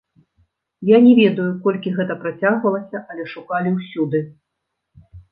Я не ведаю, колькі гэта працягвалася, але шукалі ўсюды.